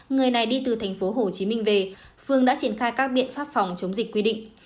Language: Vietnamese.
người này đi từ thành phố hồ chí minh về phường đã triển khai các biện pháp phòng chống dịch quy định